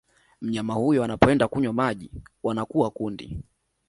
Mnyama huyo anapoenda kunywa maji wanakuwa kundi